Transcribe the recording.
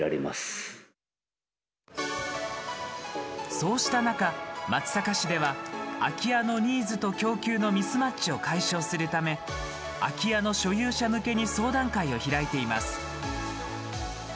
そうした中松阪市では空き家のニーズと供給のミスマッチを解消するため空き家の所有者向けに相談会を開いています。